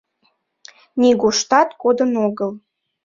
Нигуштат кодын огыл.